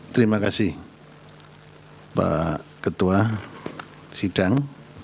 terima kasih pak ketua sidang